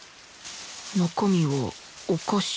中身はお菓子と